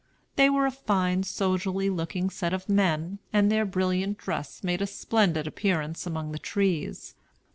They were a fine, soldierly looking set of men, and their brilliant dress made a splendid appearance among the trees.